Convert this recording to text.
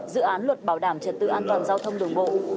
dự án luật bảo đảm trật tự an toàn giao thông đường bộ